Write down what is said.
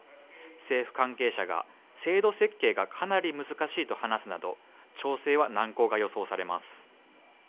政府関係者が制度設計がかなり難しいと話すなど調整は難航が予想されます